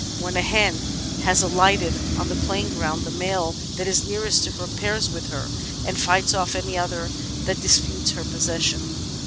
"When a hen has alighted on the playing ground the male that is nearest to her pairs with her, and fights off any other that disputes his possession.